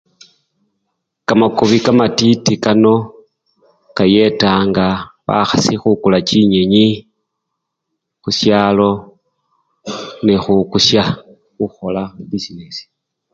kamakobi kamatiti kano kayetanga bahasi hukula chinyenyi hushalo nee hukusha huhola bisinesi